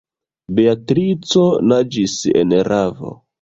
Beatrico naĝis en ravo.